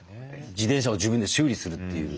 自転車を自分で修理するっていう。